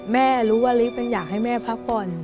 ไม่รู้ว่าลิฟต์อยากให้แม่พักผ่อน